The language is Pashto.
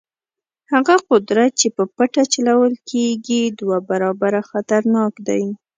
هغه قدرت چې په پټه چلول کېږي دوه برابره خطرناک دی.